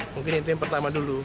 mungkin itu yang pertama dulu